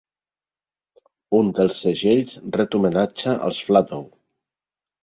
Un dels segells ret homenatge als Flatow.